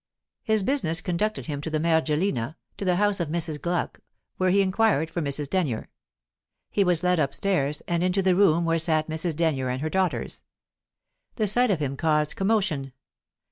His business conducted him to the Mergellina, to the house of Mrs. Gluck, where he inquired for Mrs. Denyer. He was led upstairs, and into the room where sat Mrs. Denyer and her daughters. The sight of him caused commotion.